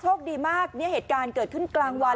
โชคดีมากเนี่ยเหตุการณ์เกิดขึ้นกลางวัน